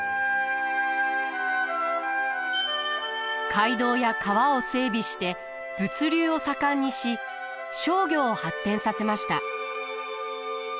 街道や川を整備して物流を盛んにし商業を発展させました。